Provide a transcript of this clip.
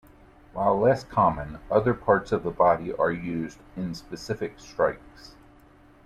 While less common, other parts of the body are used in specific strikes.